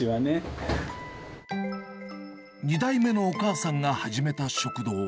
２代目のお母さんが始めた食堂。